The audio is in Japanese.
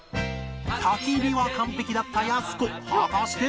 焚き火は完璧だったやす子果たして